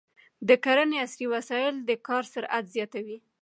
د کرنې عصري وسایل د کار سرعت زیاتوي.